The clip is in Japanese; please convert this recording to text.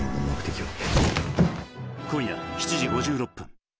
今夜７時５６分。